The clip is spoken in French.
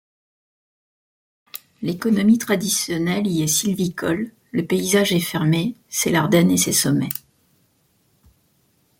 L'économie traditionnelle y est sylvicole, le paysage est fermé, c'est l'Ardenne et ses sommets.